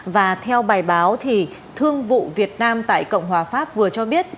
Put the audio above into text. và theo bài báo thì thương vụ việt nam tại cộng hòa pháp vừa cho biết